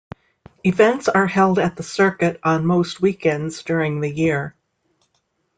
Events are held at the circuit on most weekends during the year.